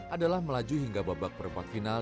adalah melaju hingga babak perempat final